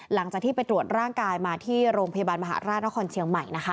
หลังจากที่ไปตรวจร่างกายมาที่โรงพยาบาลมหาราชนครเชียงใหม่นะคะ